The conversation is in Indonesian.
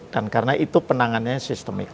dan karena itu penangannya sistemik